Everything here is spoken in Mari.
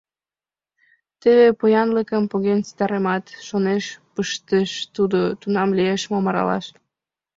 «Теве поянлыкым поген ситаремат, — шонен пыштыш тудо, — тунам лиеш мом аралаш.